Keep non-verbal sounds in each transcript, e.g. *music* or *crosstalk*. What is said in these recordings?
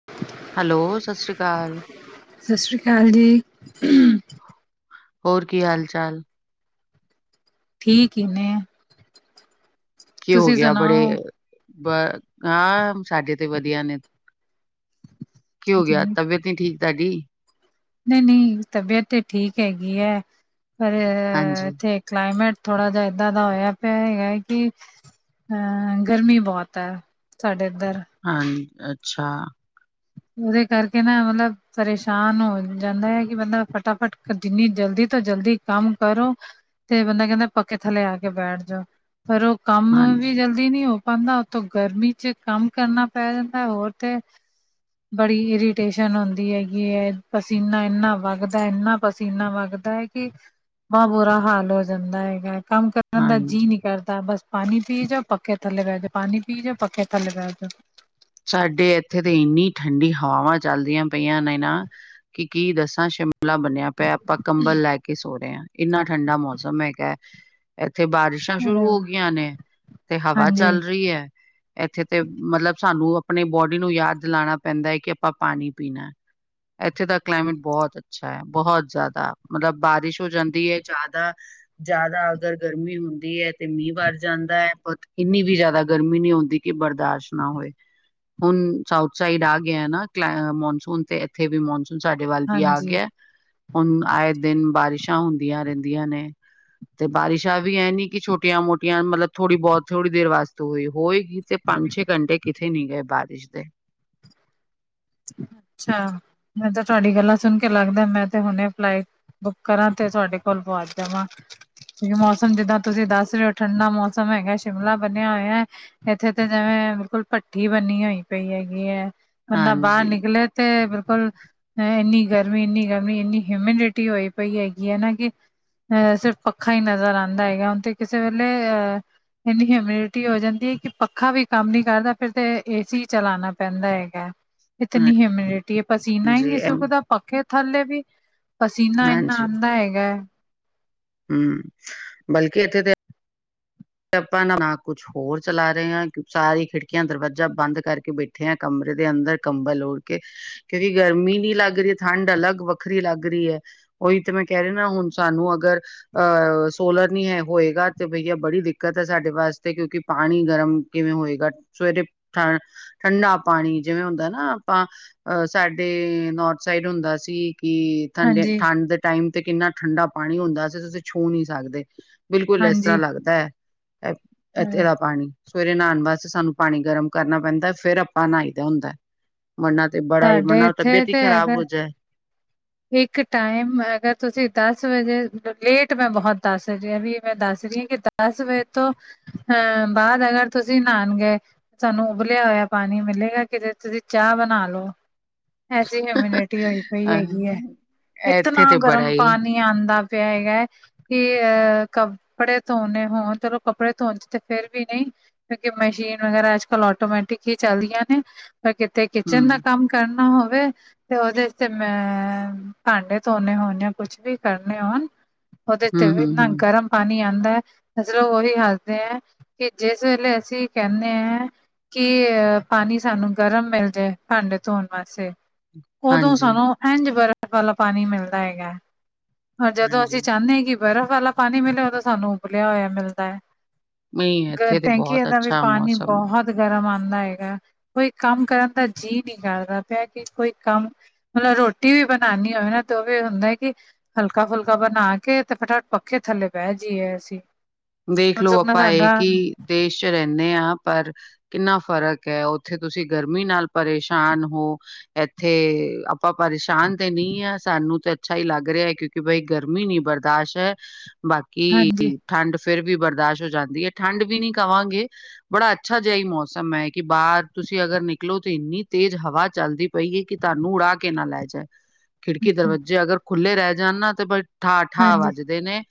*inaudible* Hello, ਸਾਸਰੀ ਕਾਲ। ਸ਼ਾਸਰੀ ਕਾਲ ਜੀ। ਹੋਰ ਕੀ ਹਾਲ-ਚਾਲ? ਠੀਕ ਈ ਨੇ। ਕਿ ਹੋ ਤੁਸੀਂ ਗਿਆ ਸੁਣਾਓ? ਬੜੇ, ਹਾਂ ਸਾਡੇ ਤੇ ਵਧੀਆ ਨੇ। ਕਿ ਹੋ ਗਿਆ, ਤਬੀਅਤ ਨੀ ਠੀਕ ਤ੍ਹ‌ਾਡੀ? ਨ‌ਈਂ-ਨ‌ਈਂ, ਤਬੀਅਤ ਤੇ ਠੀਕ ਹੈਗੀ ਐ। ਪਰ ਹਾਂਜੀ, ਇੱਥੇ ਕਲਾਈਮੇਟ ਥੋੜਾ ਜਹਾ ਏਦਾਂ ਦਾ ਹੋਇਆ ਪਿਆ ਹੈਗਾ ਕਿ ਅ ਗਰਮੀ ਬਹੁਤ ਐ, ਸਾਡੇ ਇੱਧਰ। ਹਾਂ ਅੱਛਾ। ਉਹਦੇ ਕਰਕੇ ਨਾ ਮਤਲਬ ਪਰੇਸ਼ਾਨ ਹੋ ਜਾਂਦਾ ਐ ਕਿ ਬੰਦਾ, ਫਟਾ-ਫਟ ਜਿੰਨੀ ਜਲਦੀ ਤੋਂ ਜਲਦੀ ਕੰਮ ਕਰੋ ਤੇ ਬੰਦਾ ਕਹਿੰਦਾ ਪੱਖੇ ਥੱਲੇ ਆ ਕੇ ਬੈਠ ਜਾਓ। ਪਰ ਉਹ ਕੰਮ ਵੀ ਹਾਂਜੀ। ਜਲਦੀ ਨ‌ਈ ਹੋ ਪਾਂਦਾ ਉਥੋਂ ਗਰਮੀ ਚ ਕੰਮ ਕਰਨਾ ਪੈ ਜਾਂਦਾ ਹੋਰ ਤੇ ਬੜੀ ਇਰੀਟੇਸ਼ਨ ਹੁੰਦੀ ਹੈਗੀ ਐ। ਪਸੀਨਾ ਇਨਾ ਵਗਦਾ ਇੰਨਾ ਪਸੀਨਾ ਵਗਦਾ ਹੈ ਕਿ ਬਹੁ ਬੁਰਾ ਹਾਲ ਹੋ ਜਾਂਦਾ ਹੈਗਾ, ਕੰਮ ਕਰ ਰਨ ਦਾ ਜੀ ਹਾਂਜੀ, ਨੀ ਕਰਦਾ, ਬਸ ਪਾਨੀ ਪੀ ਜਾਓ, ਪੱਖੇ ਥੱਲੇ ਬਹਿ ਕੇ ਪਾਣੀ ਪੀ ਜਾਓ ਪੱਖੇ ਥੱਲੇ ਬਹਿ ਜਾਓ। ਸਾਡੇ ਇੱਥੇ ਤੇ ਇੰਨੀ ਠੰਡੀ ਹਵਾਵਾਂ ਚੱਲਦੀਆਂ ਪਈਆਂ ਨੇ ਨਾ, ਕਿ ਕੀ ਦੱਸਾਂ ਸ਼ਿਮਲਾ ਬੰਨਿਆ ਪਿਆ, ਆਪਾਂ ਕੰਬਲ ਲੈ ਕੇ ਸੋ ਰ‌ਏ ਆ, ਇੰਨਾ ਠੰਡਾ ਮੌਸਮ ਹੈਗਾ। ਇੱਥੇ ਬਾਰਿਸ਼ਾਂ ਸ਼ੁਰੂ ਅਰੇ ਹੋ ਵਾਹ! ਗਈਆਂ ਨੇ ਤੇ ਹਵਾ ਹਾਂਜੀ ਚੱਲ ਰਹੀ ਐ। ਇੱਥੇ ਤੇ ਮਤਲਬ ਸਾ‌‌ਨੂੰ ਆਪਣੀ ਬੋਡੀ ਨੂੰ ਯਾਦ ਦਿਲਾਣਾ ਪੈਂਦਾ ਏ ਕਿ, ਆਪਾਂ ਪਾਨੀ ਪੀਣਾ। ਇੱਥੇ ਦਾ ਕਲਾਈਮੇਟ ਬਹੁਤ ਅੱਛਾ ਐ, ਬਹੁਤ ਜ਼ਿਆਦਾ ਮਤਲਬ ਬਾਰਿਸ਼ ਹੋ ਜਾਂਦੀ ਏ ਜ਼ਿਆਦਾ ਜ਼ਾਦਾ ਅਗਰ ਗਰਮੀ ਹੁੰਦੀ ਏ ਤੇ ਮੀਂਹ ਵਰ ਜਾਂਦਾ ਏ। ਪਰ ਇੰਨੀ ਵੀ ਜ਼ਿਆਦਾ ਗਰਮੀ ਨੀ ਹੁੰਦੀ। ਕਿ ਬਰਦਾਸ਼ਤ ਨਾ ਹੋਏ। ਹੁਣ ਸਾਊਥ ਸਾਈਡ ਆ ਗਿਆ ਨਾ, ਕ ਮੌਨਸੂਨ ਤੇ ਇੱਥੇ ਵੀ ਮੌਨਸੂਨ ਸਾਡੇ ਵੱਲ ਵੀ ਆ ਹਾਂਜੀ ਗਿਆ। ਹੁਣ ਆਏ ਦਿਨ ਬਾਰਿਸ਼ਾਂ ਹੁੰਦੀਆਂ ਰਹਿੰਦੀਆਂ ਨੇ। ਤੇ ਬਾਰਿਸ਼ਾਂ ਵੀ ਇਹ ਨੀ ਕਿ ਛੋਟੀਆਂ-ਮੋਟੀਆਂ ਮਤਲਬ ਥੋੜ੍ਹੀ ਬਹੁਤ ਥੋੜ੍ਹੀ ਦੇਰ ਵਾਸਤੇ ਹੋਈ-ਹੋਏ ਤੇ ਪੰਜ-ਛੇ ਘੰਟੇ ਕਿਥੇ ਨ‌ਈਂ ਗਏ ਬਾਰਿਸ਼ ਦੇ ਅੱਛਾ, ਮੈਂ ਤਾਂ ਤੁਹਾਡੀ ਗੱਲਾਂ ਸੁਣ ਕੇ ਲੱਗਦਾ ਮੈਂ ਤੇ ਹੁਣੇ ਫਲਾਈਟ ਬੁੱਕ ਕਰਾਂ ਤੇ ਤੁਹਾਡੇ ਕੋਲ ਪਹੁੰਚ ਜਾਵਾਂ। ਉਂਕਿ ਮੌਸਮ ਜਿੱਦਾਂ ਤੁਸੀਂ ਦੱਸ ਰ‌ਏ ਓ ਠੰਡਾ ਮੌਸਮ ਹੈਗਾ, ਸ਼ਿਮਲਾ ਬਣਿਆ ਹੋਇਆ ਐ। ਇੱਥੇ ਤਾਂ ਜਿਵੇਂ ਬਿਲਕੁਲ ਭੱਠੀ ਬੰਨੀ ਹੋਈ ਪਈ ਹੈਗੀ ਐ। ਹਾਂਜੀ। ਪਲੇ ਤੇ ਬਿਲਕੁਲ ਇੰਨੀ ਗਰਮੀ, ਇੰਨੀ ਗਰਮੀ ਇੰਨੀ ਹਿਊਮਿਨਿਟੀ ਹੋਈ ਪਈ ਹੈਗੀ ਐ ਨਾ ਕਿ ਅ ਸਿਰਫ ਪੱਖਾ ਈ ਨਜ਼ਰ ਆਂਦਾ ਹੈਗਾ। ਹੁਣ ਤੇ ਕਿਸੇ ਵੇਲੇ ਅਹ- ਏਨੀ ਹਿਮਿਡਿਟੀ ਹੋ ਜਾਂਦੀ ਏ ਕੀ ਪੱਖਾ ਵੀ ਕੰਮ ਨੀਂ ਕਰਦਾ। ਫੇਰ ਤੇ ਏ ਸੀ ਈ ਚਲਾਣਾ ਪੈਂਦਾ ਹੈਗਾ। ਇਤਨੀ ਹਿਮਿਡਿਟੀ ਐ, ਪਸੀਨਾ ਈ ਹਾਂਜੀ, ਨੀਂ ਐਮ- ਸੁਖਦਾ ਪੱਖੇ ਥੱਲੇ ਵੀ। ਪਸੀਨਾ ਏਨਾ ਆਂਦਾ ਹੈਗਾ। ਹਂ, ਬਲਕਿ ਇੱਥੇ ਤੇ ਤੇ ਆਪਾਂ ਨਾਂ ਨਾ ਕੁਛ ਹੋਰ ਚਲਾ ਰਹੇ ਆਂ, ਸਾਰੀ ਖਿੜਕੀਆਂ ਦਰਵਾਜ਼ਾ ਬੰਦ ਕਰਕੇ ਬੈਠੇ ਇੱਥੇ ਆ ਕਮਰੇ ਦੇ ਅੰਦਰ ਕੰਬਲ ਔੜ ਕੇ ਕਿਉਂਕਿ ਗਰਮੀ ਨੀਂ ਲੱਗ ਰਹੀ ਐ, ਠੰਡ ਅਲੱਗ ਵੱਖਰੀ ਲੱਗ ਰਹੀ ਐ। ਉਹੀ ਤੇ ਮੈਂ ਕਹਿ ਰਿਹਾ ਨਾ ਹੁਣ ਸਾਨੂੰ ਅਗਰ, ਅਹ ਸੋਲਰ ਨੀਂ ਹੈ ਹੋਏਗਾ ਤੇ ਬਈਆ ਬੜੀ ਦਿੱਕਤ ਦਿੱਕਤ ਐ ਸਾਡੇ ਵਾਸਤੇ, ਕਿਉਂਕਿ ਪਾਣੀ ਗਰਮ ਕਿਵੇਂ ਹੋਏਗਾ? ਸਵੇਰੇ ਠ ਠੰਡਾ ਪਾਣੀ ਜਿਵੇਂ ਹੁੰਦਾ ਨਾ ਆਪਾਂ ਅਹ ਸਾਡੇ ਨੌਰਥ ਸਾਈਡ ਹੁੰਦਾ ਸੀ ਕਿ ਠੰਡੇ ਹਾਂਜੀ ਠੰਡ ਦੇ ਟਾਈਮ ਤੇ ਕਿੰਨਾ ਠੰਡਾ ਪਾਣੀ ਹੁੰਦਾ ਸੀ। ਅਸੀਂ ਤੁਸੀਂ ਛੂਹ ਨੀਂ ਸਕਦੇ। ਬਿਲਕੁਲ ਇਸ ਤਰ੍ਹਾਂ ਹਾਂਜੀ ਲੱਗਦਾ ਐ, ਇੱਥੇ ਦਾ ਪਾਣੀ। ਸਵੇਰੇ ਨਹਾਉਣ ਵਾਸਤੇ ਸਾਨੂੰ ਪਾਣੀ ਗਰਮ ਕਰਨਾ ਪੈਂਦਾ, ਫੇਰ ਆਪਾਂ ਨਾਈ ਦਾ ਹੁੰਦਾ। ਮਨਾ ਤੇ ਬੜਾ ਈ, ਸਾਡੇ ਮਨਾ ਇੱਥੇ ਤਬੀਅਤ ਈ ਤੇ ਖਰਾਬ ਅਗਰ ਹੋ ਜਾਏ। ਇੱਕ ਟਾਈਮ ਅਗਰ ਤੁਸੀਂ ਦਸ ਵਜੇ ਲੇਟ ਮੈਂ ਬੋਤ ਦੱਸ ਰਹੀ ਵੀ ਮੈਂ ਦੱਸ ਰੀ ਆ ਕਿ ਦਸ ਵਜੇ ਤੋਂ ਅਹ ਬਾਦ ਅਗਰ ਤੁਸੀਂ ਨਾਨ ਗਏ ਸਾਨੂੰ ਉਬਲਿਆ ਹੋਇਆ ਪਾਣੀ ਮਿਲੇਗਾ ਕਿਤੇ ਤੁਸੀਂ ਚਾਅ ਬਣਾ ਲਓ। ਐਸੀ ਹਿਓਮੀਡਿਟੀ ਹੋਈ ਪਈ ਹੈਗੀ ਏ। ਇਤਨਾ ਇੱਥੇ ਤੇ ਬੜਾ ਗਰਮ ਹੀ ਪਾਣੀ ਨਈ ਆਂਦਾ ਪਿਆ ਹੈਗਾ। ਕੀ ਅਹ ਕੱਪੜੇ ਧੋਣੇ ਹੋਣ, ਚਲੋ ਕੱਪੜੇ ਧੋਣ ਚ ਤੇ ਫੇਰ ਵੀ ਨਈਂ ਕਿਉਂਕਿ ਮਸ਼ੀਨ ਵਗੈਰਾ ਅੱਜ-ਕਲ ਆਟੋਮੈਟਿਕ ਈ ਚੱਲਦੀਆਂ ਨੇਂ। ਫ ਕਿਤੇ ਕਿਚਨ ਦਾ ਹਮ ਕੰਮ ਕਰਨਾ ਹੋਵੇ ਤੇ ਓਦੇ ਚ ਤੇ ਮੈਂ ਭਾਂਡੇ ਧੋਣੇ ਹੋਣ ਜਾਂ ਕੁਛ ਵੀ ਕਰਨੇ ਹੋਣ, ਓਦੇ ਤੇ ਹਮ ਵੀ ਹਮ ਏਨਾਂ ਹਮ ਗਰਮ ਪਾਣੀ ਆਂਦਾ ਐ ਅਸੀ ਓਵੀ ਹੱਸਦੇ ਆ ਕੀ ਜਿਸ ਵੇਲੇ ਅਸੀਂ ਕੈਣੇ ਐ। ਕੀ ਅ ਪਾਣੀ ਸਾਨੂੰ ਗਰਮ ਮਿਲ ਜੇ ਭਾਂਡੇ ਧੋਣ ਵਾਸੇ। ਓਦੋਂ ਹਾਂਜੀ ਸਾਨੂੰ ਏਂਝ ਬਰਫ਼ ਵਾਲਾ ਪਾਣੀ ਮਿਲਦਾ ਹੈਗਾ। ਪਰ ਜਦੋਂ ਅਸੀਂ ਹਾਂਜੀ ਚਾਣੇ ਕੀ ਬਰਫ਼ ਵਾਲਾ ਪਾਣੀ ਮਿਲੇ, ਉਦੋਂ ਸਾਨੂੰ ਉਬਲਿਆ ਹੋਇਆ ਮਿਲਦਾ ਐ। ਨਹੀਂ ਗ ਇੱਥੇ ਤੇ ਟੈਂਕੀਆਂ ਬਹੁਤ ਦਾ ਵੀ ਅੱਛਾ ਪਾਣੀ ਮੌਸਮ ਹੈ ਬਹੁਤ ਗਰਮ ਆਂਦਾ ਹੈਗਾ। ਕੋਈ ਕੰਮ ਕਰਨ ਦਾ ਜੀਅ ਨੀਂ ਕਰਦਾ ਪਿਆ ਕੀ ਕੋਈ ਕੰਮ ਮਤਲਬ ਰੋਟੀ ਵੀ ਬਣਾਣੀ ਹੋਏ ਨਾਂ ਤੇ ਓ ਵੀ ਹੁੰਦਾ ਕੀ ਹਲਕਾ-ਫੁਲਕਾ ਬਣਾ ਕੇ ਤੇ ਫਟਾ-ਫਟ ਪੱਖੇ ਥੱਲੇ ਬਹਿ ਜਈਏ ਅਸੀਂ। ਦੇੇਖ ਹੁਣ ਲਓ ਸੁਖਨਾ ਆਪਾਂ ਏ ਸਾਡਾ ਕਿ ਦੇਸ਼ ਚ ਰੈਂਣੇ ਆਂ ਪਰ ਕਿੰਨਾ ਫ਼ਰਕ ਐ, ਓਥੇ ਤੁਸੀਂ ਗਰਮੀ ਨਾਲ ਪਰੇਸ਼ਾਨ ਹੋ। ਏਥੇ ਆਪਾਂ ਪਰੇਸ਼ਾਨ ਤੇ ਨੀਂ ਆਂ, ਸਾਨੂੰ ਤੇ ਅੱਛਾ ਈ ਲੱਗ ਰਿਹਾ ਕਿਉਂਕਿ ਕਿ ਬਈ ਗਰਮੀ ਨੀਂ ਬਰਦਾਸ਼ਤ ਐ। ਬਾਕੀ ਹਾਂਜੀ ਠੰਡ ਫਿਰ ਵੀ ਬਰਦਾਸ਼ ਹੋ ਜਾਂਦੀ ਐ, ਠੰਡ ਵੀ ਨੀਂ ਕਵਾਂਗੇ। ਬੜਾ ਅੱਛਾ ਜਿਆ ਈ ਮੌਸਮ ਏ ਕਿ ਬਾਰ ਤੁਸੀਂ ਅਗਰ ਨਿਕਲੋ ਤਾਂ ਏਨੀ ਤੇਜ਼ ਹਵਾ ਚੱਲਦੀ ਪਈ ਐ ਕੀ ਤਾਨੂੰ ਉੜਾ ਕੇ ਨਾਂ ਲੈ ਜਾਏ। *inaudible* ਖਿੜਕੀ, ਦਰਵਜੇ ਅਗਰ ਖੁੱਲ੍ਹੇ ਰੈ ਜਾਣ ਨਾਂ ਤੇ ਬ ਠਾ-ਠਾ ਹਾਂਜੀ ਵੱਜਦੇ ਨੇਂ।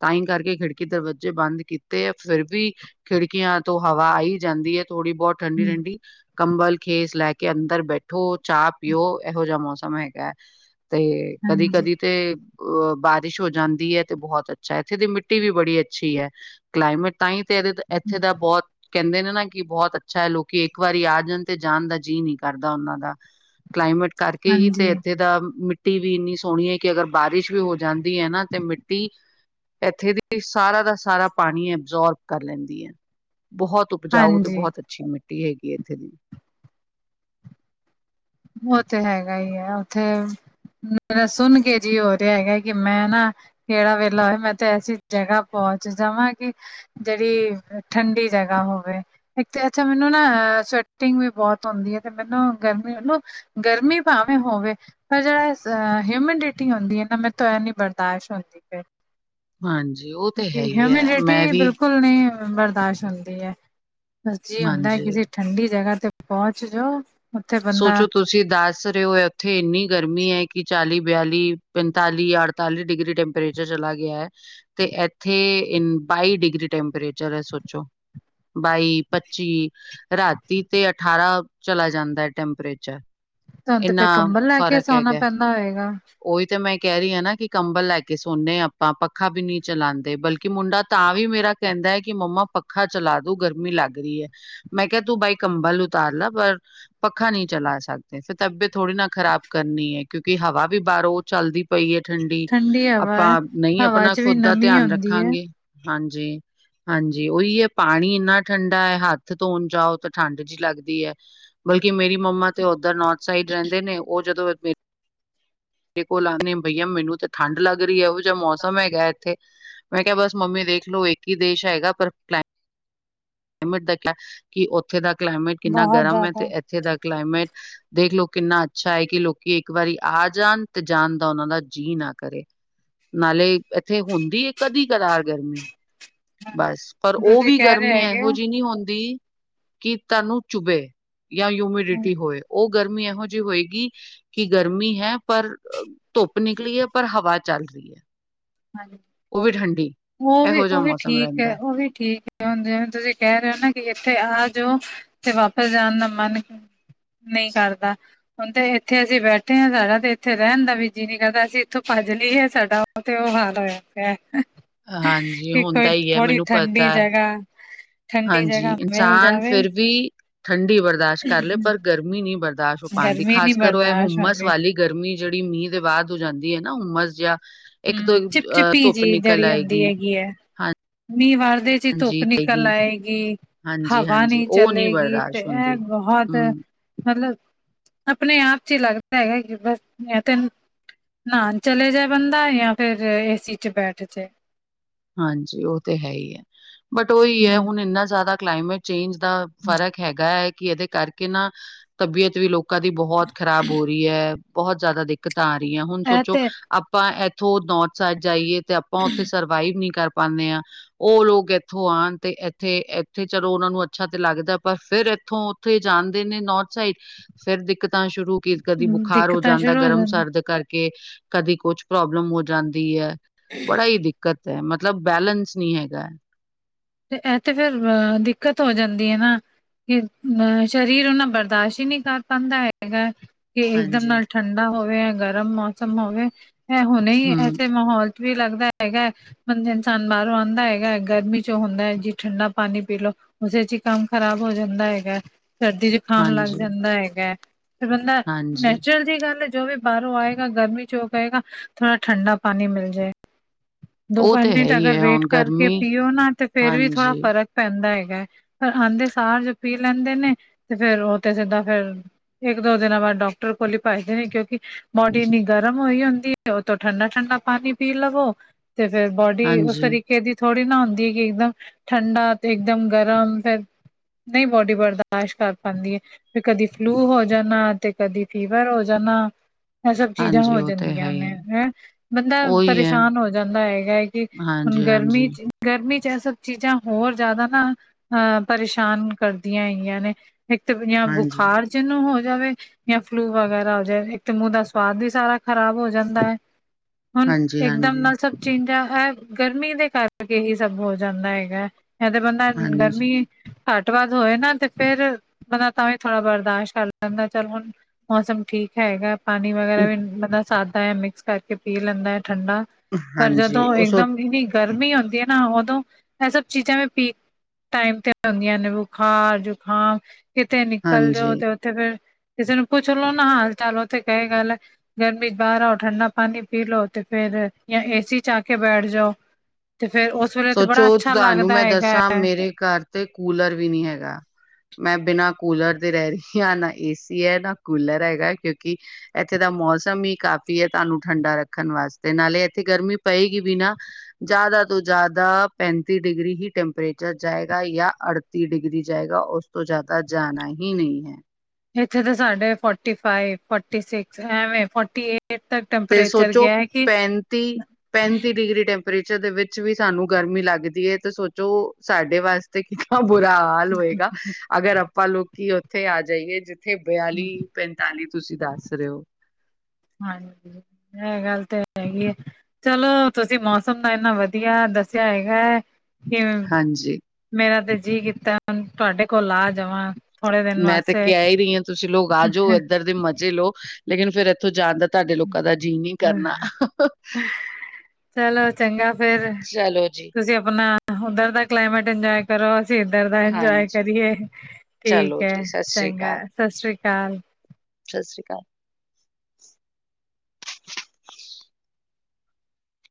ਤਾਂ ਈ ਕਰਕੇ ਖਿੜਕੀ ਦਰਵਜ ਜੇ ਬੰਦ ਕੀਤੇ ਐ, ਫੇਰ ਵੀ ਖਿੜਕੀਆਂ ਤੋਂ ਹਵਾ ਆਈ ਜਾਂਦੀ ਏ ਥੋੜੀ ਬੋਤ ਹਮ ਠੰਡੀ-ਠੰਡੀ ਕੰਬਲ ਖੇਸ ਲੈ ਕੇ ਅੰਦਰ ਬੈਠੋ, ਚਾਹ ਪੀਓ। ਇਹੋ ਜਹਾ ਮੌਸਮ ਹੈਗਾ। ਤੇ ਹਾਂਜੀ ਕਦੀ-ਕਦੀ ਤੇ ਅ ਬਾਰਿਸ਼ ਹੋ ਜਾਂਦੀ ਐ ਤੇ ਬਹੁਤ ਅੱਛਾ, ਇੱਥੇ ਦੀ ਮਿੱਟੀ ਵੀ ਬੜੀ ਅੱਛੀ ਐ ਕਲਾਈਮੇਟ ਤਾਂਈ ਤੇ ਇਹਦੇ ਇੱਥੇ ਦਾ ਬਹੁਤ ਕਹਿੰਦੇ ਨੇਂ ਨਾਂ ਕਿ ਬਹੁਤ ਅੱਛਾ ਐ, ਲੋਕੀ ਇੱਕ ਵਾਰੀ ਆ ਜਾਣ ਤੇ ਜਾਣ ਦਾ ਜੀਅ ਨਹੀਂ ਕਰਦਾ ਉਹਨਾਂ ਦਾ। ਕਲਾਈਮੇਟ ਕਰਕੇ ਹੀ ਤੇ ਹਾਂਜੀ ਇੱਥੇ ਦਾ ਮਿੱਟ ਮਿੱਟੀ ਵੀ ਇੰਨੀ ਸੋਹਣੀ ਐ ਕਿ ਅਗਰ ਬਾਰਿਸ਼ ਵੀ ਹੋ ਜਾਂਦੀ ਐ ਨਾਂ ਤੇ ਮਿੱਟੀ ਇੱਥੇ ਦੀ ਸਾਰਾ ਦਾ ਸਾਰਾ ਪਾਣੀ ਐਬਜ਼ੋਰਬ ਕਰ ਲੈਂਦੀ ਐ। ਬਹੁਤ ਉਪਜਾਊ ਤੇ ਹਾਂਜੀ ਬਹੁਤ ਅੱਛੀ ਮਿੱਟੀ ਟੀ ਹੈਗੀ ਇੱਥੇ ਦੀ ਓ ਤੇ ਹੈਗਾ ਈ ਐ ਓਥੇ ਮੇਰਾ ਸੁਣ ਕੇ ਜੀ ਹੋ ਰਿਆ ਹੈਗਾ, ਕੀ ਮੈਂ ਨਾਂ ਕੇੜਾ ਵੇਲਾ ਹੋਵੇ, ਮੈਂ ਤਾਂ ਐਸੀ ਜਗ੍ਹਾ ਪਹੁੰਚ ਜਾਵਾਂ ਕੀ ਜੇੜੀ ਠੰਡੀ ਜਗ੍ਹਾ ਹੋਵੇ। ਇੱਕ ਤੇ ਅੱਛਾ ਮੈਨੂੰ ਨਾਂ ਸਵੈਟਿੰਗ ਵੀ ਬਹੁਤ ਹੁੰਂਦੀ ਏ, ਤੇ ਮੈਨੂੰ ਗਰਮੀ ਨੂੰ ਗਰਮੀ ਭਾਵੇਂ ਹੋਵੇ। ਫਿਰ ਜੇਰਾ ਸ ਅ ਹਿਊਮਿਡਿਟੀ ਹੁੰਦੀ ਏ ਨਾਂ, ਮੇਰੇ ਤੋਂ ਐ ਨੀ ਬਰਦਾਸ਼ਤ ਹੁੰਦੀ ਫਿਰ। ਹਾਂਜੀ ਉਹ ਤੇ ਜੀ, ਹੈ ਹੀ ਹੈ ਹਿਊਮਿਡਿਟੀ ਮੈਂ ਬਿਲਕੁਲ ਵੀ ਬਿਲਕੁਲ ਨੀਂ ਬਰਦਾਸ਼ਤ ਹੁੰਦੀ ਏ, ਬ ਜੀ ਹੁੰਦਾ ਹਾਂਜੀ। ਕਿਸੇ ਠੰਡੀ ਜਗ੍ਹਾ ਤੇ ਪੋਂਚ ਜੋੋ। ਸੋਚੋ ਤੁਸੀਂ ਦੱਸ ਰੇ ਓ ਐ ਓਥੇ ਏਨੀ ਗਰਮੀ ਐ ਕੀ ਚਾਲੀ, ਬਿਆਲੀ, ਪੰਤਾਲੀ, ਅਠ ਪੰਤਾਲੀ ਡਿਗਰੀ ਟੈਂਪਰੇਚਰ ਚਲਾ ਗਿਆ ਐ। ਤੇ ਏਥੇ ਏ ਬਾਈ ਡਿਗਰੀ ਟੈਂਪਰੇਚਰ ਐ, ਸੋਚੋ। ਬਾਈ, ਪੱਚੀ ਰਾਤੀ ਤੇ ਅਠਾਰਾਂ ਚਲਾ ਜਾਂਦਾ। ਟੈਂਪਰੇਚਰ। ਤਾਨੂੰ ਤੇ ਫੇਰ ਇੰਨਾ ਕੰਬਲ ਲੈ ਕੇ ਸੌਣਾ ਪੈਂਦਾ ਹੋਏਗਾ। ਓਈ ਤੇ ਮੈਂ ਕੈ ਰੀ ਆ ਨਾਂ ਕੀ ਕੰਬਲ ਲੈ ਕੇ ਸੋਨੇ ਆ ਆਪਾਂ। ਪੱਖਾ ਵੀ ਨੀਂ ਚਲਾਂਦੇ ਬਲਕਿ ਮੁੰਡਾ ਤਾਂ ਵੀ ਮੇਰਾ ਕਹਿੰਦਾ ਐ ਕਿ ਮੰਮਾ ਪੱਖਾ ਚਲਾ ਦੋ, ਗਰਮੀ ਲੱਗ ਰਹੀ ਐ। ਮੈਂ ਕਿਹਾ ਤੂੰ ਬਾਈ ਕੰਬਲ ਉਤਾਰ ਲਾ ਪਰ ਪੱਖਾ ਨਈਂ ਚਲਾ ਸਕਦੇ ਫਿਰ ਤਬੀਅਤ ਥੋੜ੍ਹੀ ਨਾਂ ਖ਼ਰਾਬ ਕਰਨੀ ਐ ਕਿਉਂਕਿ ਹਵਾ ਵੀ ਬਾਹਰੋਂ ਚੱਲਦੀ ਪਈ ਐ ਠੰਡੀ, ਹਵਾ ਹੈ ਆਪਾਂ ਨਈਂ ਹਵਾ ਆਪਣਾ ਚ ਵੀ ਖੁਦ ਦਾ ਨਮੀ ਧਿਆਨ ਹੁੰਦੀ ਹੈ। ਰੱਖਾਂਗੇ। ਹਾਂਜੀ। ਹਾਂਜੀ ਉਹੀ ਐ, ਪਾਣੀ ਇੰਨਾ ਠੰਡਾ ਐ ਹੱਥ ਧੋਣ ਜਾਓ ਤਾਂ ਠੰਡ ਜਿਹੀ ਲੱਗਦੀ ਐ। ਬਲਕਿ ਮੇਰੀ ਮੰਮਾ ਤੇ ਓਧਰ ਨੋੌਰਥ ਸਾਈਡ ਰਹਿੰਦੇ ਨੇਂ ਉਹ ਜਦੋਂ ਮਰੇ ਕੋਲ ਆਂਦੇ ਬਈਆ ਮੈਨੂੰ ਤਾਂ ਠੰਢ ਲੱਗ ਰਹੀ ਐ, ਉਹ ਜਿਹਾ ਮੌਸਮ ਹੈਗਾ ਇੱਥੇ। ਮੈਂ ਕਿਹਾ ਬਸ ਮੰਮੀ ਦੇਖ ਲਓ, ਇੱਕ ਹੀ ਦੇਸ਼ ਹੈਗਾ ਪਰ ਕਲਾਇਮਟ ਦਾ *unintelligible* ਕਿ ਉੱਥੇ ਦਾ ਕਲਾਈਮੇਟ ਕਿੰਨਾ ਬਹੁਤ ਗਰਮ ਐ, ਤੇ ਜ਼ਿਆਦਾ ਇੱਥੇ ਦਾ ਕਲਾਈਮੇਟ ਦੇਖ ਲਓ ਕਿੰਨਾ ਅੱਛਾ ਐ ਕਿ ਲੋਕੀ ਇੱਕ ਵਾਰੀ ਆ ਜਾਨ ਤੇ ਜਾਣ ਦਾ ਉਹਨਾਂ ਦਾ ਜੀਅ ਨਾਂ ਕਰੇ। ਨਾਲੇ ਇੱਥੇ ਹੁੰਦੀ ਏ ਕਦੀ ਕਦਾਰ ਗਰਮੀ ਬਸ ਪਰ ਉਹ ਤੁਸੀਂ ਵੀ ਕਹਿ ਰਹੇ ਗਰਮੀ ਹੈਗੇ ਇਹੋ ਹੋ ਜਿਹੀ ਨ੍ਹੀਂ ਹੁੰਦੀ ਕਿ ਤੁਾਨੂੰ ਚੁਭੇ ਜਾਂ ਯੂਮਿਡਿਟੀ ਹੋਏ, ਉਹ ਗਰਮੀ ਇਹੋ ਜਿਹੀ ਹੋਏਗੀ ਕਿ ਗਰਮੀ ਹੈ ਪਰ ਧੁੱਪ ਨਿਕਲੀ ਐ। ਪਰ ਹਵਾ ਚੱਲ ਰਹੀ ਐ। ਹਾਂਜੀ, ਉਹ ਵੀ, ਇਹੋ ਜਿਹਾ ਉਹ ਵੀ ਮੌਸਮ ਠੀਕ ਐ। ਰਹਿੰਦਾ। ਹੈ। ਉਹ ਵੀ ਠੀਕ ਐ। ਕਿ ਜਿਵੇਂ ਤੁਸੀਂ ਕਹਿ ਰਹੇ ਹੋ ਨਾਂ ਕਿ ਇੱਥੇ ਆ ਜਾਓ ਤੇ ਵਾਪਿਸ ਜਾਣ ਦਾ ਮਨ ਕੀ ਨਹੀਂ ਕਰਦਾ। ਹੁਣ ਤੇ ਇੱਥੇ ਅਸੀਂ ਬੈਠੇ ਆਂ, ਸਾਡਾ ਤੇ ਇੱਥੇ ਰਹਿਣ ਦਾ ਵੀ ਜੀਅ ਨੀਂ ਕਰਦਾ। ਅਸੀਂ ਇੱਥੋਂ ਭੱਜ ਲਈਏ ਸਾਡਾ ਤੇ ਉਹ ਹਾਲ ਹੋਇਆ ਪਿਆ। ਹਾਂਜੀ ਕਿ ਕੋਈ ਹੁੰਦਾ ਈ ਐ, ਥੋੜੀ ਮੈਨੂੰ ਠੰਡੀ ਪਤਾ। ਜਗ੍ਹਾ ਠੰਡੀ ਹਾਂਜੀ, ਜਗ੍ਹਾ ਮਿਲ ਇਨਸਾਨ ਜਾਵੇ ਫਿਰ ਵੀ ਠੰਡੀ ਬਰਦਾਸ਼ਤ ਕਰ ਲਏ, ਪਰ ਗਰਮੀ ਨਹੀਂ ਬਰਦਾ ਲਾਸ਼ ਹੋ ਪਾਂਦੀ, ਗਰਮੀ ਨੀ ਖਾਸ ਕਰ ਉਹ ਇਹ ਏ ਬਰਦਾਸ਼ਤ ਹੁਮਸ ਹੁੰਦੀ। ਵਾਲੀ ਗਰਮੀ ਜਿਹੜੀ ਮੀਂਹ ਦੇ ਬਾਅਦ ਹੋ ਜਾਂਦੀ ਐ ਨਾਂ ਉਮਸ ਜਿਹਾ ਹਂ, ਚਿਪ ਚਿਪੀ ਜੀ ਜਿਹੜੀ ਹੁੰਦੀ ਹੈਗੀ ਐ, ਮੀਂਹ ਵਰਦੇ ਚ ਚ ਧੁੱਪ ਹਾਂਜੀ ਨਿਕਲ ਤੇਗੀ ਆਏਗੀ। ਹਾਂਜੀ ਹਵਾ ਹਾਂਜੀ ਨ੍ਹੀਂ ਉਹ ਨਹੀਂ ਚਲੇੇਗੀ ਤੇ ਬਰਦਾਸ਼ਤ ਇਹ ਹੁੰਦੀ ਬਹੁਤ ਹਮ ਮਤਲਬ ਆਪਣੇ ਆਪ ਚ ਈ ਲੱਗਦਾ ਹੈਗਾ ਕਿ ਬਸ ਮੈਂ ਤੈਨੂੰ ਨਾਨ ਚਲੇ ਜਾਏ ਬੰਦਾ ਜਾਂ ਫੇਰ ਏਸੀ ਚ ਬੈਠ ਜਾਏ। ਹਾਂਜੀ, ਉਹ ਤੇ ਹੈ ਹੀ ਹੈ ਬਟ ਉਹੀ ਹੈ ਹੂੰ, ਹੁਣ ਇੰਨਾ ਜ਼ਿਆਦਾ ਕਲਾਈਮੇਟ ਚੇਂਜ ਦਾ ਫ਼ਰਕ ਹੈਗਾ, ਹੈ ਕਿ ਇਹਦੇ ਕਰਕੇ ਨਾ ਤਬੀਅਤ ਵੀ ਲੋਕ ਲੋਕਾਂ ਦੀ ਬਹੁਤ ਖ਼ਰਾਬ ਹੋ ਰਹੀ ਹੈ ਬਹੁਤ ਜ਼ਿਆਦਾ ਦਿੱਕਤਾਂ ਆ ਰਹੀਆਂ ਹੁਣ ਇਹ ਸੋਚੋ ਤੇ ਆਪਾਂ ਇੱਥੋਂ ਨੌਥ ਸਾਈਡ ਜਾਈਏ ਤੇ ਆਪਾਂ ਉੱਥੇ ਸਰਵਾਈਵ ਨਹੀਂ ਕਰ ਪਾਉਂਦੇ ਹਾਂ। ਉਹ ਲੋਕ ਇੱਥੋਂ ਆਉਣ ਤੇ ਇੱਥੇ- ਇੱਥੇ ਚਲੋ ਉਹਨਾਂ ਨੂੰ ਅੱਛਾ, ਤੇ ਲੱਗਦਾ ਪਰ ਫਿਰ ਇੱਥੋਂ ਉੱਥੇ ਜਾਂਦੇ ਨੇ ਨੌਰਥ ਸਾਈਡ ਫੇਰ ਦਿੱਕਤਾਂ ਸ਼ੁਰੂ ਕਿ ਕਦੀ ਬੁਖਾਰ ਹੋ ਦਿੱਕਤਾਂ ਜਾਂਦਾ ਸ਼ੁਰੂ ਹੋ ਗਰਮ- ਸਰਦ ਕਰਕੇ ਕਦੀ ਕੁਛ ਪ੍ਰੋਬਲਮ ਹੋ ਜਾਂਦੀ ਹੈ। ਬੜਾ ਹੀ ਦਿੱਕਤ ਹੈ, ਮਤਲਬ ਬੈਲੇਂਸ ਨਹੀਂ ਹੈਗਾ। ਇਹ ਤੇ ਫੇਰ ਦਿੱਕਤ ਹੋ ਜਾਂਦੀ ਹੈ ਨਾ ਕਿ ਅ ਸਰੀਰ ਉਹਨਾ ਬਰਦਾਸ਼ਤ ਹੀ ਨਹੀਂ ਕਰ ਪਾਉਂਦਾ ਹੈਗਾ। ਕਿ ਇੱਕਦਮ ਹਾਂਜੀ। ਨਾਲ ਠੰਡਾ ਹੋਵੇ ਗਰਮ ਮੌਸਮ ਹੋਵੇ ਇਹ ਹੁਣੇ ਹੀ ਹੂੰ, ਐਸੇ ਮਾਹੌਲ ਵੀ ਲੱਗਦਾ ਹੈਗਾ ਹੈਤਬ ਇਨਸਾਨ ਬਾਹਰੋਂ ਆਉਂਦਾ ਹੈਗਾ ਹੈ। ਗਰਮੀ ਚ ੋਂ ਹੁੰਦਾ ਹੈ ਜੀ ਠੰਡਾ ਪਾਣੀ ਪੀ ਲਓ ਉਸਦੇ ਚ ਹੀ ਕੰਮ ਖ਼ਰਾਬ ਹੋ ਜਾਂਦਾ ਹੈਗਾ ਸਰਦੀ ਚ ਖਾਮ ਲੱਗ ਹਾਂਜੀ, ਜਾਂਦਾ ਹੈਗਾ ਹੈ। ਤੇ ਬੰਦਾ ਹਾਂਜੀ ਨੈਚੁਰਲ ਜਿਹੀ ਗੱਲ ਜੋ ਵੀ ਬਾਹਰੋਂ ਆਏਗਾ ਗਰਮੀ ਜੋਗਾਏਗਾ ਥੋੜਾ ਠੰਡਾ ਪਾਣੀ ਮਿਲ ਜਾਏ। ਉਹ ਦੋ-ਪੰਜ ਤੇ ਹੈ ਮਿੰਟ ਹੀ ਅਗਰ ਹੈ ਵੇਟ ਹੁਣ ਕਰਕੇ ਗਰਮੀ ਪੀਓ, ਨਾ ਤੇ ਫੇਰ ਵੀ ਥੋੜਾ ਹਾਂਜੀ, ਫਰਕ ਫਰਕ ਪੈਂਦਾ ਹੈਗਾ, ਪਰ ਆਉਂਦੇ ਸਾਰ ਜੋ ਪੀ ਲੈਂਦੇ ਨੇ ਤੇ ਫੇਰ ਉਹ ਤੇ ਸਿੱਧਾ ਫੇਰ ਇੱਕ ਦੋ ਦਿਨਾਂ ਬਾਅਦ ਡਾਕਟਰ ਕੋਲ ਹੀ ਭੱਜਦੇ ਨੇ ਕਿਉਂਕਿ, ਬੋਡੀ ਇੰਨੀ ਗਰਮ ਹੋਈ ਹੁੰਦੀ ਹੈ। ਉਹ ਤੋਂ ਠੰਡਾ-ਠੰਡਾ ਪਾਣੀ ਪੀ ਲਵੋ। ਤੇ ਫੇਰ, ਬੋਡੀ ਉਸ ਹਾਂਜੀ, ਤਰੀਕੇ ਦੀ ਥੋੜੀ ਨਾ ਹੁੰਦੀ। ਇੱਕਦਮ ਠੰਡਾ ਇੱਕਦਮ ਗਰਮ ਫੇਰ, ਨਹੀਂ, ਬੋਡੀ ਬਰਦਾਸ਼ਤ ਕਰ ਪਾਉਂਦੀ ਹੈ। ਵੀ ਕਦੀ ਫਲੂ ਹੋ ਜਾਣਾ, ਤੇ ਕਦੀ ਫੀਵਰ ਹੋ ਜਾਣਾ। ਇਹ ਸਭ ਚੀਜ਼ਾਂ ਹਾਂਜੀ ਹੋ ਉਹ ਤੇ ਹੈ ਜਾਂਦੀਆਂ ਹੀ ਨੇ ਹੈ ਹੈਂ। ਬੰਦਾ ਉਹੀ ਹੈ ਪਰੇਸ਼ਾਨ ਹੋ ਜਾਂਦਾ ਹੈਗਾ ਹੈ, ਕਿ ਹੁਣ ਹਾਂਜੀ, ਹਾਂਜੀ। ਗਰਮੀ ਚ ਗਰਮੀ ਚ ਇਹ ਸਭ ਚੀਜ਼ਾਂ ਹੋਰ ਜ਼ਿਆਦਾ ਨਾ ਅਹ ਪਰੇਸ਼ਾਨ ਕਰਦੀਆਂ ਹੈਗਆਂ ਨੇ। ਇੱਕ ਜਾਂ ਹਾਂਜੀ। ਬੁਖਾਰ ਜਿਹਨੂੰ ਹੋ ਜਾਵੇ। ਜਾਂ ਫਲੂ ਵਗੈਰਾ ਹੋ ਜਾਵੇ, ਇੱਕ ਮੂੰਹ ਦਾ ਸਵਾਦ ਵੀ ਸਾਰਾ ਖ਼ਰਾਬ ਹੋ ਜਾਂਦਾ ਹੈ। ਹੁਣ ਹਾਂਜੀ, ਇਕਦਮ ਹਾਂਜੀ, ਨਾਲ ਸਭ ਚੀਜਾ ਹੈ ਗਰਮੀ ਦੇ ਕਰ ਹੀ। ਸਭ ਹੋ ਜਾਂਦਾ ਹੈਗਾ ਹੈ ਤਾਂ ਬੰਦਾ ਹਾਂਜੀ, ਗਰਮੀ ਘੱਟ ਬਾਧ ਹੋਏ ਨਾ ਤੇ ਫੇਰ, ਬੰਦਾ ਤਾਂ ਵੀ ਥੋੜ੍ਹਾ ਬਰਦਾਸ਼ਤ ਕਰ ਲੈਂਦਾ ਚੱਲ ਹੁਣ। ਮੌਸਮ ਠੀਕ ਹੈਗਾ ਪਾਣੀ ਵਗੈਰਾ ਵੀ ਬੰਦਾ ਸਾਦਾ ਹੈ, ਮਿਕਸ ਕਰਕੇ ਪੀ ਲੈਂਦਾ ਹੈ ਠੰਡਾ। ਪਰ ਹਾਂਜੀ ਜਦੋਂ ਉਹ ਸੋ ਇੱਕਦਮ ਇੰਨੀ ਗਰਮੀ ਹੁੰਦੀ ਹੈ ਨਾ, ਉਦੋਂ ਇਹ ਸਭ ਚੀਜ਼ਾਂ ਵੀ ਪੀ ਟਾਈਮ ਤੇ ਹਗਆਂ ਨੇ ਬੁਖਾਰ ਜੁਕਾਮ ਕਿਤੇ ਨਿਕਲ ਜਾਓ ਹਾਂਜੀ। ਤੇ ਤੇ ਫੇਰ ਕਿਸੇ ਨੂੰ ਪੁੱਛ ਲੋੋ ਨਾ ਹਾਲ ਚਾਲੋਥ ਕਹੀ ਗੱਲ ਹੈ। ਗਰਮੀ ਚ ਬਾਹਰ ਆਓ ਠੰਡਾ ਪਾਣੀ ਪੀ ਲੋ ਤੇ ਫੇਰ ਜਾਂ ਏਸੀ ਚ ਆ ਕੇ ਬੈਠ ਜਾਓ। ਤੇ ਫੇਰ ਉਸ ਵੇਲੇ ਤੇ ਬੜਾ ਸੋਚੋ, ਅੱਛਾ ਤੁਹਾਨੂੰ ਲੱਗਦਾ ਮੈਂ ਹੈਗਾ ਐ ਦੱਸਾਂ ਮੇਰੇ ਘਰ ਤੇ ਕੂਲਰ ਵੀ ਨਹੀਂ ਹੈਗਾ। ਮੈਂ ਬਿਨਾਂ ਕੂਲਰ ਦੇ ਰਹਿ ਰਹੀ ਹਾਂ, ਨਾ ਏਸੀ ਹੈ ਨਾ ਕੂਲਰ ਹੈਗਾ ਕਿਉਂਕਿ ਇੱਥੇ ਦਾ ਮੌਸਮ ਹੀ ਕਾਫ਼ੀ ਹੈ ਤੁਹਾਨੂੰ ਠੰਡਾ ਰੱਖਣ ਵਾਸਤੇ ਨਾਲੇ ਇੱਥੇ ਗਰਮੀ ਪਏਗੀ ਬ ਨਾ ਜ਼ਿਆਦਾ ਤੋਂ ਜ਼ਿਆਦਾ ਪੈਂਤੀ ਡਿਗਰੀ ਹੀ ਟੈਂਪਰੇਚਰ ਜਾਏਗਾ ਜਾਂਾ ਅੜਤੀ ਡਿਗਰੀ ਜਾਏਗਾ ਉਸ ਤੋਂ ਜ਼ਿਆਦਾ ਜਾਣਾ ਹੀ ਨਹੀਂ ਹੈ। ਇੱਥੇ ਤਾਂ ਸਾਡੇ ਫੋਰਟੀ- ਫਿਵ, ਫੋਟੀ- ਸਿਕਸ ਐਵੇ ਫੋਟੀ ਏਟ ਤ- *unintelligible* ਤੇ ਸੋਚੋ ਪੈਂਤੀ ਪੈਂਤੀ ਡਿਗਰੀ ਟੈਂਪ ਟਪਰੇਚਰ ਦੇ ਵਿੱਚ ਵੀ ਸਾਨੂੰ ਗਰਮੀ ਲੱਗਦੀ ਹੈ ਤੇ ਸੋਚੋ ਸਾਡੇ ਵਾਸਤੇ ਕਿਦਨਾ ਬੁਰਾ- ਹਾਲ ਹੋਏਗਾ ਅਗਰ ਆਪਾਂ ਲੋਕੀ ਉੱਥੇ ਆ ਜਾਈਏ ਜਿੱਥੇ ਬਿਆਲੀ- ਪੈਂਤਾਲੀ ਤੁਸੀਂ ਦੱਸ ਰਹੇ ਹੋ। ਹਾਂਜੀ, ਇਹ ਗੱਲ ਤੇ ਹੈਗੀ ਆ ਚਲੋ ਤੁਸੀਂ ਮੌਸਮ ਦਾ ਇੰਨਾ ਵਧੀਆ ਦੱਸਿਆ ਹੈਗਾ ਐ। ਕਿਵੇਂ ਹਾਂਜੀ, ਮੇਰਾ ਤੇ ਜੀਅ ਕੀਤਾ, ਤੁਹਾਡੇ ਕੋਲ ਆ ਜਾਵਾਂ! ਥੋੜੇ ਦਿਨ ਮੈਂ ਤਾਂ ਵਾਸਤੇ। ਕਹਿ ਹੀ ਰਹੀ ਆਂ ਤੁਸੀਂ ਲੋਕ ਆ ਜਾਓ, ਇੱਧਰ ਦੇ ਮਜ਼ੇ ਲੋ ਲੇਕਿਨ ਫੇਰ ਇੱਥੋਂ ਜਾਣ ਦਾ ਤੁਹਾਡੇ ਲੋਕਾਂ ਦਾ ਜੀਅ ਨੀਂ ਕਰਨਾ। *unintelligible* ਚਲੋ ਚੰਗਾ ਫੇਰ, ਚਲੋ ਜੀ, ਤੁਸੀਂ ਆਪਣਾ ਉੱਧਰ ਦਾ ਕਲਾਈਮੇਟ ਇੰਜੋਏ ਕਰੋ ਅਸੀਂ ਇੱਧਰ ਦਾ ਇੰਜੋਏ ਹਾਂਜੀ, ਕਰੀਏ, ਠੀਕ ਚਲੋ ਐ ਜੀ, ਸਤਿ ਸ੍ਰੀ ਚੰਗਾ ਅਕਾਲ, ਸਤ ਸ੍ਰੀ ਅਕਾਲ। ਸਤਿ ਸ਼੍ਰੀ ਅਕਾਲ।